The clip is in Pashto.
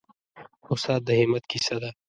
استاد د همت کیسه ده.